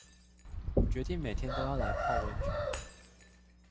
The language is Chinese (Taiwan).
我決定每天都要來泡溫泉